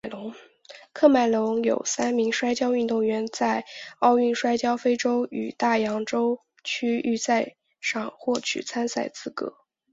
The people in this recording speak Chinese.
喀麦隆有三名摔跤运动员在奥运摔跤非洲与大洋洲区预选赛上获得参赛资格。